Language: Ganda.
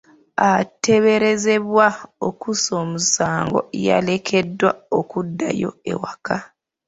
Ateeberezebwa okuzza omusango yalekeddwa okuddayo ewaka.